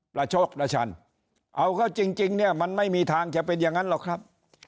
เอาเข้าจริงมันไม่มีทางจะเป็นอย่างนั้นหรอกครับ